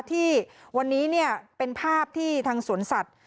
ที่วันนี้เป็นภาพที่ทางสวนสัตว์